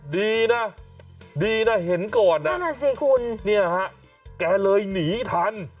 ดีนะดีนะเห็นก่อนน่ะสิคุณเนี่ยฮะแกเลยหนีทัน